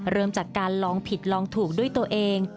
เริ่มจากการลองผิดลองถูกด้วยตัวเอง